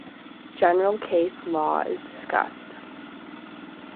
General case law is discussed.